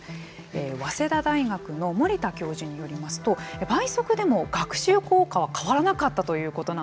早稲田大学の森田教授によりますと倍速でも学習効果は変わらなかったということなんです。